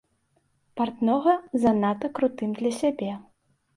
Партнога занадта крутым для сябе.